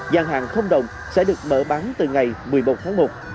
gian hàng không đồng sẽ được mở bán từ ngày một mươi một tháng một